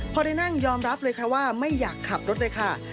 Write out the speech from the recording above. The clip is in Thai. พอได้นั่งยอมรับเลยค่ะว่าไม่อยากขับรถเลยค่ะ